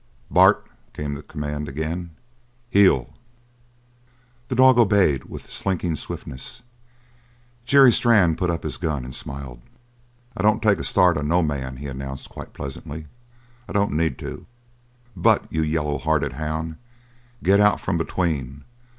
"Bart!" came the command again. "Heel!" The dog obeyed with a slinking swiftness; Jerry Strann put up his gun and smiled. "I don't take a start on no man," he announced quite pleasantly. "I don't need to. But you yaller hearted houn' get out from between.